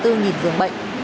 tỷ lệ tiêm vaccine mũi hai